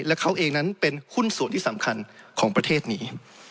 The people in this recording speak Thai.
และเขาเองนั้นเป็นหุ้นส่วนที่สำคัญของประเทศนี้